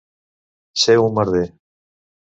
Ser un merder.